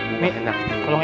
ini enak tolong ya